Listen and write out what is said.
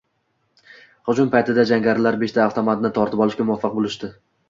Hujum paytida jangarilar beshta avtomatni tortib olishga muvaffaq bo'lishdi